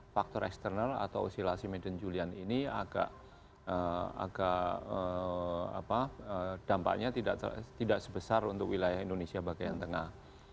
faktor eksternal atau osilasi medan julian ini agak dampaknya tidak sebesar untuk wilayah indonesia bagian tengah